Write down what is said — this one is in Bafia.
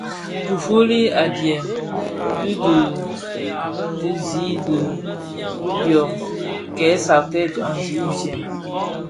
Kifuuti adyèm i dhidigsi di bishyom (dum) kè satèè djandi itsem.